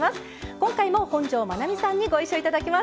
今回も本上まなみさんにご一緒いただきます。